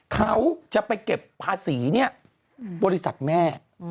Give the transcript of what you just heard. เขาจะไปเก็บภาษีเนี่ยบริษัทแม่